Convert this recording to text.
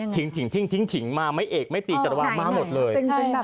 ทิ้งถิงมาไม่เอกไม่ตีจัตวะมาหมดเลย